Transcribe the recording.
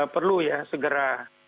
perlu ya segera